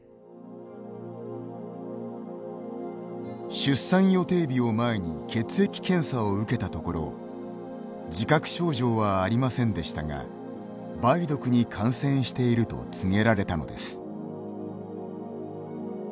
出産予定日を前に血液検査を受けたところ自覚症状はありませんでしたが梅毒に感染していると告げられたのです。